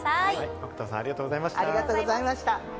北斗さん、ありがとうございました。